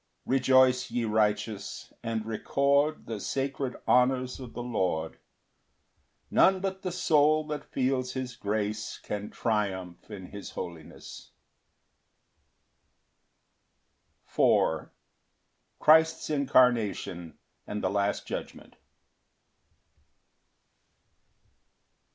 4 Rejoice, ye righteous, and record The sacred honours of the Lord; None but the soul that feels his grace Can triumph in his holiness. Psalm 97:4. 1 3 5 7 11. C. M. Christ's incarnation, and the last judgment.